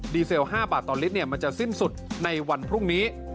เซล๕บาทต่อลิตรมันจะสิ้นสุดในวันพรุ่งนี้